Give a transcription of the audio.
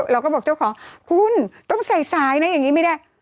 เราก็บอกเจ้าของคุณต้องใส่สายนะอย่างนี้ไม่ได้